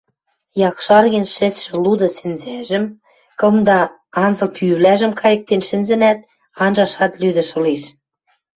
Якшарген шӹцшӹ луды сӹнзӓжӹм, кымда анзыл пӱвлӓжӹм кайыктен шӹнзӹнӓт, анжашат лӱдӹш ылеш.